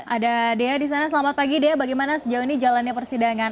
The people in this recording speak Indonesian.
ada dea di sana selamat pagi dea bagaimana sejauh ini jalannya persidangan